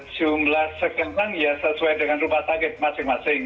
jumlah sekarang ya sesuai dengan rumah sakit masing masing